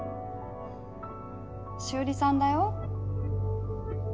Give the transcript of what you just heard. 紫織さんだよ。